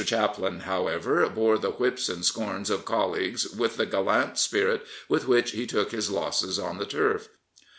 Chaplin, however, bore the whips and scorns of colleagues with the gallant spirit with which he took his losses on the Turf.